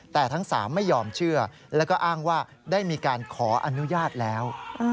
แต่ทั้ง๓ไม่ยอมเชื่อแล้วก็อ้างว่าได้มีการขออนุญาตแล้ว